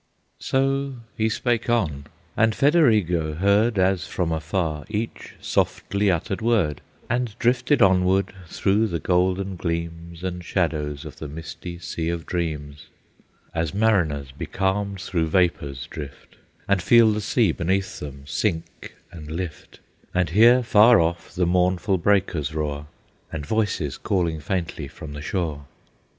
So he spake on; and Federigo heard As from afar each softly uttered word, And drifted onward through the golden gleams And shadows of the misty sea of dreams, As mariners becalmed through vapors drift, And feel the sea beneath them sink and lift, And hear far off the mournful breakers roar, And voices calling faintly from the shore!